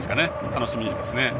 楽しみですね。